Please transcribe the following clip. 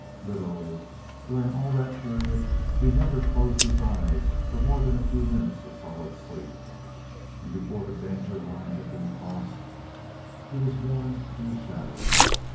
Literally, during all that period, he never closed his eyes for more than a few minutes of solid sleep. And, before the danger line had been crossed, he was worn to a shadow.